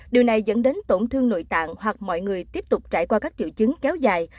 điều này dẫn đến tổn thương nội tạng hoặc mọi người tiếp tục trải qua các triệu chứng kéo dài